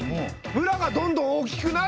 ムラがどんどん大きくなる！